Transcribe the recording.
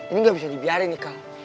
ini nggak bisa dibiarin nih kang